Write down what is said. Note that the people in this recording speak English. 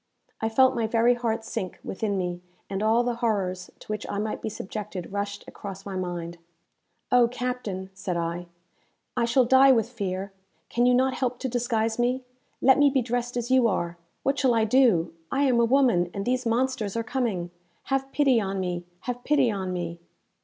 I felt my very heart sink within me, and all the horrors to which I might be subjected rushed across my mind. "Oh, captain," said I, "I shall die with fear! Can you not help to disguise me? let me be dressed as you are! What shall I do? I am a woman, and these monsters are coming! Have pity on me! Have pity on me!"